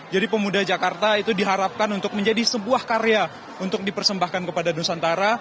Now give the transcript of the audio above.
jadi pemuda jakarta itu diharapkan untuk menjadi sebuah karya untuk dipersembahkan kepada nusantara